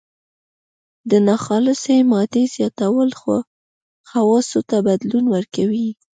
د ناخالصې مادې زیاتول خواصو ته بدلون ورکوي.